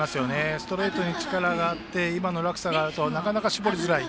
ストレートに力があって今の落差があるとなかなか絞りづらい。